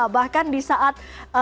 bahkan di saat